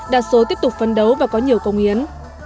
đa số tiếp tục phấn đấu và có nhiều công hiến